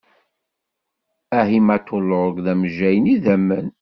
Ahimatulog d amejjay n idammen.